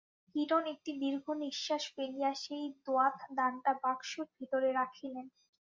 কিরণ একটি দীর্ঘনিশ্বাস ফেলিয়া সেই দোয়াতদানটা বাক্সর ভিতরে রাখিলেন।